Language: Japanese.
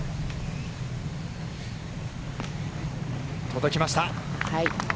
届きました。